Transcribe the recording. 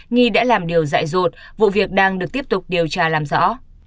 nghi đã làm điều dại dột vụ việc đang được tiếp tục điều tra làm rõ